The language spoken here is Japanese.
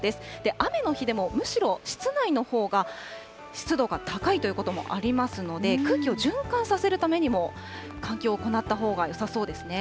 雨の日でも、むしろ室内のほうが湿度が高いということもありますので、空気を循環させるためにも、換気を行ったほうがよさそうですね。